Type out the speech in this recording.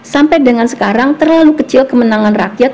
sampai dengan sekarang terlalu kecil kemenangan rakyat